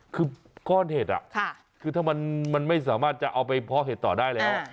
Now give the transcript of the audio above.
คือก้อนเห็ดคือถ้ามันไม่สามารถจะเอาไปเพาะเห็ดต่อได้แล้ว